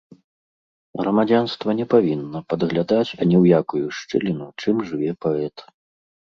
Грамадзянства не павінна падглядаць ані ў якую шчыліну, чым жыве паэт.